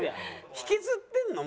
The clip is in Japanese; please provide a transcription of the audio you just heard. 引きずってるの？